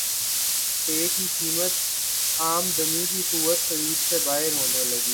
ٹےکی قیمت عام دمی کی قوت خرید سے باہر ہونے لگی